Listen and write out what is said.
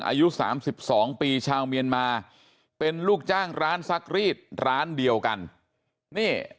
อายุ๓๒ปีชาวเมียนมาเป็นลูกจ้างร้านซักรีดร้านเดียวกันนี่